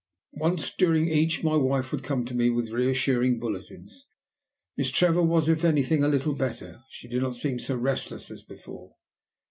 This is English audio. Once during each my wife would come to me with reassuring bulletins. "Miss Trevor was, if anything, a little better, she did not seem so restless as before."